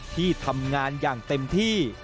ที่ทำงานอย่างเต็มที่